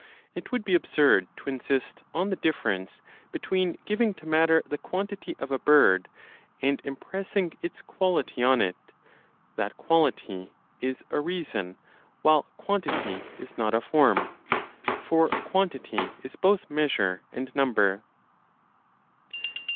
It would be absurd to insist on the difference between giving to matter the quantity of a bird, and impressing its quality on it, that quality is a reason, while quantity is not a form; for quantity is both measure and number.